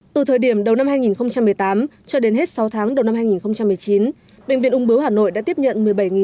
từ thời điểm đầu năm hai nghìn một mươi tám cho đến hết sáu tháng đầu năm hai nghìn một mươi chín bệnh viện ung bưu hà nội đã tiếp nhận